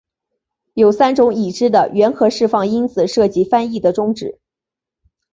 有三种已知的原核释放因子涉及翻译的终止。